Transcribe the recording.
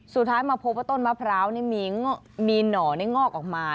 สุดท้ายมาพบว่าต้นมะพร้าวมีหน่อได้งอกออกมา